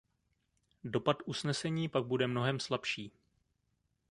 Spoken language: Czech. Dopad usnesení pak bude mnohem slabší.